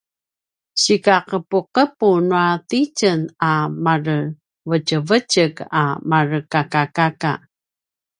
sikaqepuqepu nua titjen a marevetjevetjek a marekakakaka